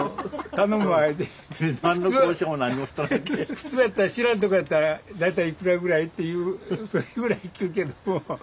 普通やったら知らんとこやったら「大体いくらぐらい？」っていうそれぐらい聞くけどももう信用しとるからうん。